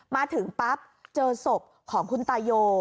มาถึงปั๊บเจอศพของคุณตายโย